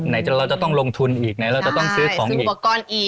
ไหนเราจะต้องลงทุนอีกไหนเราจะต้องซื้อของอีกใช่ซื้อประกอบอีก